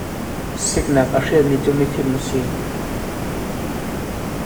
Siknak a hrial mi cu mifim an si.